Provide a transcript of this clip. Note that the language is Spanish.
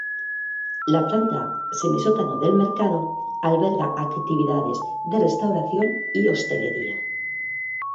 La planta semisótano del mercado alberga actividades de restauración y hostelería.